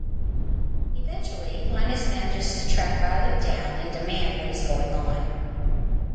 Eventually, Linus manages to track Violette down and demand what is going on.